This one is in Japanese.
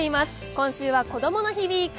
今週は、こどもの日ウイーク。